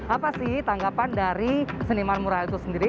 apa sih tanggapan dari seniman mural itu sendiri